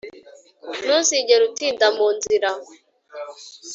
ntuzigere utinda mu nzira